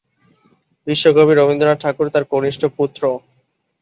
বিশ্বকবি রবীন্দ্রনাথ ঠাকুর তার কনিষ্ঠ পুত্র।